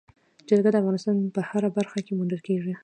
جلګه د افغانستان په هره برخه کې موندل کېږي.